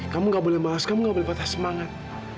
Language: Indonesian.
kamu gak boleh bahas kamu gak boleh patah semangat